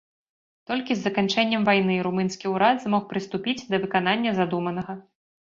Толькі з заканчэннем вайны румынскі ўрад змог прыступіць да выканання задуманага.